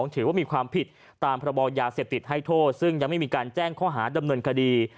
ถือว่ามีความผิดตามพระบอยาเสพติดให้โทษซึ่งยังไม่มีการแจ้งข้อหาดำเนินคดี